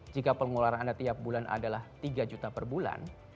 jika pengeluaran anda tiap bulan adalah tiga bulan